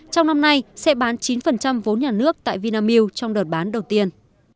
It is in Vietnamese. trong năm nay sẽ bán chín vốn nhà nước tại vinamilk trong đợt bán đầu tiên